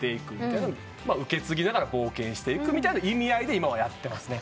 受け継ぎながら冒険していくみたいな意味合いで今はやってますね。